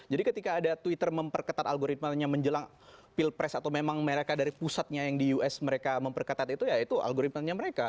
jadi ketika ada twitter memperketat algoritmanya menjelang pilpres atau memang mereka dari pusatnya yang di us mereka memperketat itu ya itu algoritmanya mereka